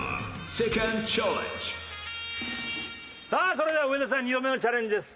さあそれでは上田さん２度目のチャレンジです。